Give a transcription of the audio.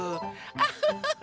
アハハハ！